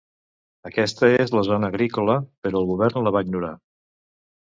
Aquesta és la zona agrícola, però el govern la va ignorar.